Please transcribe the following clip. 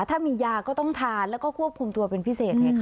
ถ้ามียาก็ต้องทานแล้วก็ควบคุมตัวเป็นพิเศษไงคะ